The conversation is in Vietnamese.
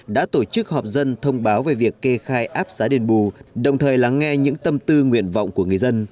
đã tổ chức họp dân thông báo về việc kê khai áp giá đền bù đồng thời lắng nghe những tâm tư nguyện vọng của người dân